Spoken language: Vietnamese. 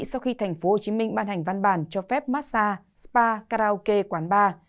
sau khi thành phố hồ chí minh ban hành văn bản cho phép massage spa karaoke quán bar